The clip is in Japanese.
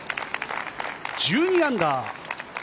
１２アンダー。